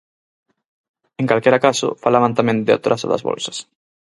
En calquera caso, falaban tamén de atraso das bolsas.